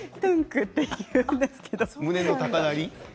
胸の高まり？